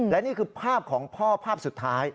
และนี่คือภาพของพ่อภาพสุดท้าย